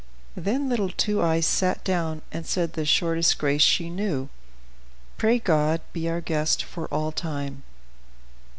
Then little Two Eyes sat down and said the shortest grace she knew "Pray God be our guest for all time.